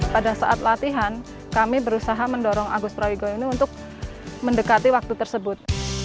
pada saat latihan kami berusaha mendorong agus prawigo ini untuk mendekati waktu tersebut